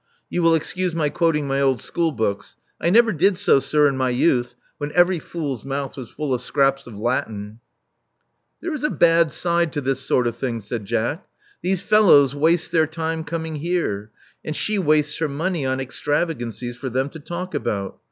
You will excuse my quoting my old school books. I never did so, sir, in my youth, when every fool*s mouth was full of scraps of Latin. There is a bad side to this sj>rt of thing," said Jack. These fellows waste their time coming here ; and she wastes her money on extravagancies for them to talk about.